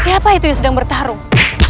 siapa itu yang sedang bertarung